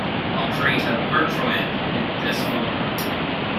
I'll create a virtualenv in this folder.